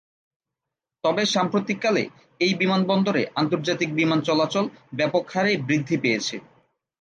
তবে সাম্প্রতিককালে এই বিমানবন্দরে আন্তর্জাতিক বিমান চলাচল ব্যাপকহারে বৃদ্ধি পেয়েছে।